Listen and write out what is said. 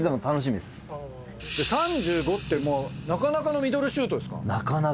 ３５ｍってもうなかなかのミドルシュートですか。